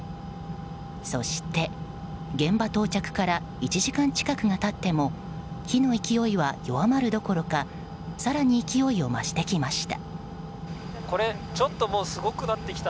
そして、現場到着から１時間近くが経っても火の勢いは弱まるどころか更に勢いを増してきました。